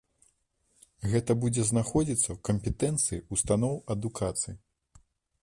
Гэта будзе знаходзіцца ў кампетэнцыі ўстаноў адукацыі.